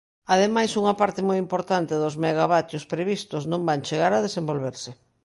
Ademais unha parte moi importante dos megavatios previstos non van chegar a desenvolverse.